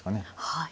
はい。